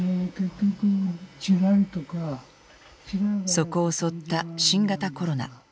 そこを襲った新型コロナ。